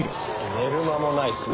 寝る間もないっすね。